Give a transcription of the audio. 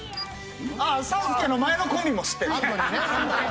ああ３助の前のコンビも知ってるの？